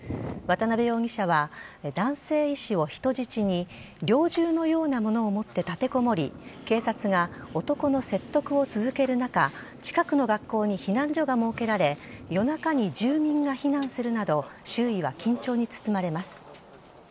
渡辺容疑者は男性医師を人質に猟銃のようなものを持って立てこもり警察が男の説得を続ける中近くの学校に避難所が設けられ夜中に住民が避難するなど周囲は緊張に包まれます。